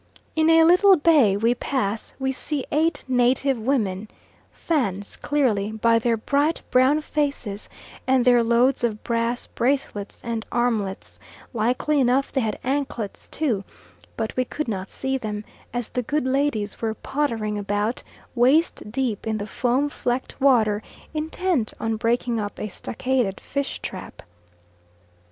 In a little bay we pass we see eight native women, Fans clearly, by their bright brown faces, and their loads of brass bracelets and armlets; likely enough they had anklets too, but we could not see them, as the good ladies were pottering about waist deep in the foam flecked water, intent on breaking up a stockaded fish trap.